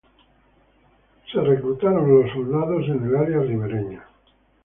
Los soldados fueron reclutados en el área ribereña.